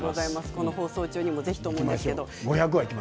この放送中にもぜひと思います。